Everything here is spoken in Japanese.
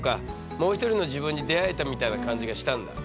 もう一人の自分に出会えたみたいな感じがしたんだ。